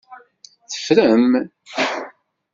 Teffrem?